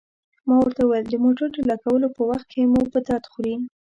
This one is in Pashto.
ما ورته وویل: د موټر ټېله کولو په وخت کې مو په درد خوري.